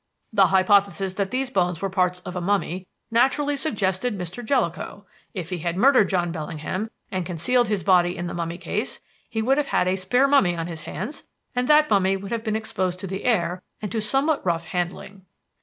"The hypothesis that these bones were parts of a mummy naturally suggested Mr. Jellicoe. If he had murdered John Bellingham and concealed his body in the mummy case, he would have a spare mummy on his hands, and that mummy would have been exposed to the air and to somewhat rough handling.